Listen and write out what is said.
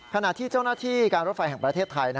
ขณะที่เจ้าหน้าที่การรถไฟแห่งประเทศไทย